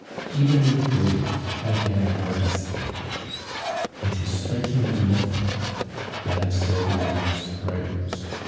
Even in the grave I am your Esther. "It is striking eleven. I have said my last prayers.